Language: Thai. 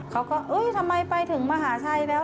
เอ้ยทำไมไปถึงมหาชัยแล้ว